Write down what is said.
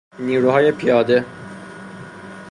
نیروهای پیاده